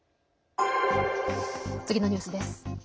次のニュースです。